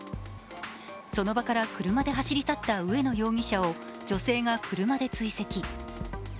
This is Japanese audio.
その場から車で走り去った上野容疑者を女性が車で追跡。